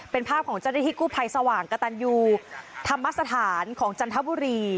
เป็นภาพของเจ้าหน้าที่กู้ภัยสว่างกระตันยูธรรมสถานของจันทบุรี